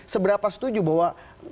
seberapa setuju bahwa